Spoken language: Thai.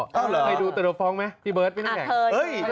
อ๋อเหรอเคยดูเตอร์โฟร์งไหมพี่เบิร์ดพี่น้ำแข่งเฮ้ย